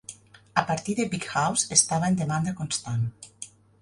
A partir de "The Big House", estava en demanda constant.